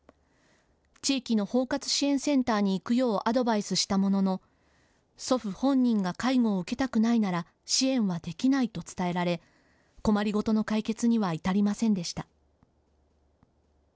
地域の包括支援センターに行くようアドバイスしたものの祖父本人が介護を受けたくないなら支援はできないと伝えられ困り事の解決には至りませんでした。